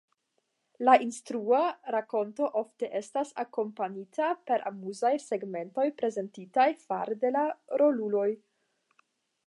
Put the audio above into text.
La instrua rakonto ofte estas akompanita per amuzaj segmentoj prezentitaj fare de la roluloj.